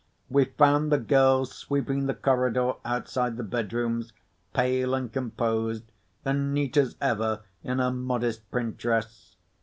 We found the girl sweeping the corridor outside the bedrooms, pale and composed, and neat as ever in her modest print dress.